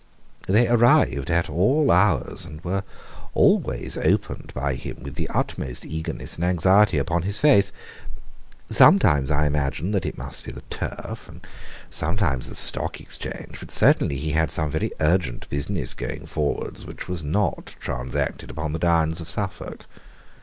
They arrived at all hours, and were always opened by him with the utmost eagerness and anxiety upon his face. Sometimes I imagined that it must be the Turf, and sometimes the Stock Exchange, but certainly he had some very urgent business going forwards which was not transacted upon the Downs of Suffolk.